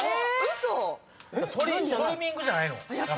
嘘⁉トリミングじゃないの？